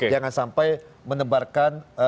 jangan sampai menebarkan